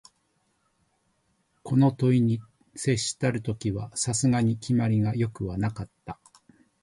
この問に接したる時は、さすがに決まりが善くはなかった